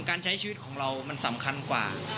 การใช้ชีวิตของเรามันสำคัญกว่า